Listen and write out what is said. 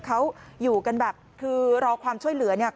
เขาอยู่กันแบบคือรอความช่วยเหลือเนี่ย